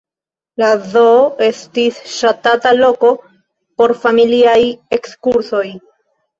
La zoo estis ŝatata loko por familiaj ekskursoj.